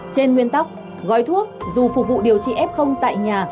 trên nguyên tắc gói thuốc dù phục vụ điều trị f tại nhà